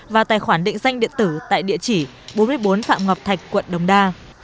và tài khoản định danh điện tử tại địa chỉ bốn mươi bốn phạm ngọc thạch quận đồng đa